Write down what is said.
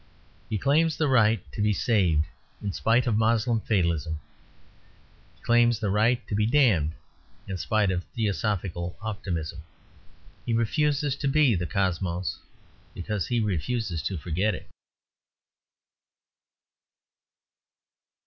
He claims the right to be saved, in spite of Moslem fatalism. He claims the right to be damned in spite of theosophical optimism. He refuses to be the Cosmos; because he refuses to forget it.